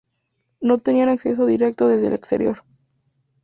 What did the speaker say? No tenían acceso directo desde el exterior.